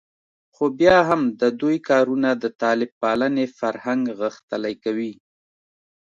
خو بیا هم د دوی کارونه د طالب پالنې فرهنګ غښتلی کوي